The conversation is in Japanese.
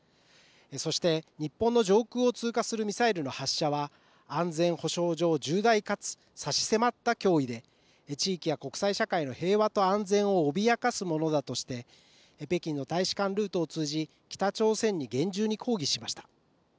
そして日本の上空を通過するミサイルの発射は安全保障上、重大かつ差し迫った脅威で地域や国際社会の平和と安全を脅かすものだとして北京の大使館ルートを通じ北朝鮮に厳重に抗議しました。